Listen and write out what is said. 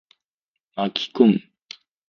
巻き込む。